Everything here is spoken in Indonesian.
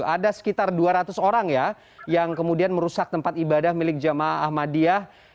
ada sekitar dua ratus orang ya yang kemudian merusak tempat ibadah milik jamaah ahmadiyah